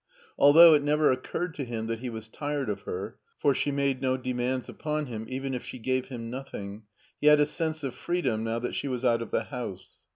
Although it never occurred to him that he was tired of her, for she made no demands upon him even if she gave him nothing, he had a sense of freedom now that she was out of the house.